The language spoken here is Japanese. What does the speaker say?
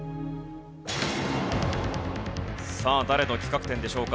さあ誰の企画展でしょうか？